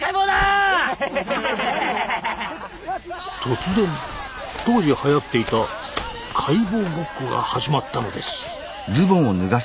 突然当時はやっていた「解剖ごっこ」が始まったのです。